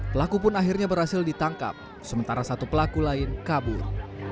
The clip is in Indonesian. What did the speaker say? pelaku pun akhirnya berhasil ditangkap sementara satu pelaku lain kabur